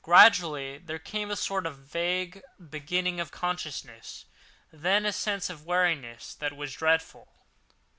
Gradually there came a sort of vague beginning of consciousness; then a sense of weariness that was dreadful.